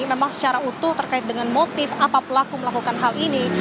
memang secara utuh terkait dengan motif apa pelaku melakukan hal ini